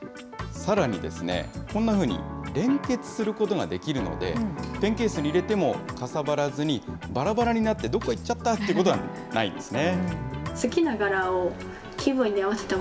さらにですね、こんなふうに連結することができるので、ペンケースに入れてもかさばらずに、ばらばらになってどっかいっちゃったということがないんですね。